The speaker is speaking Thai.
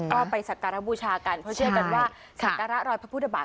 ก็ไปสักการบูชากันเพราะเชื่อกันว่าสักการะรอยพระพุทธบาท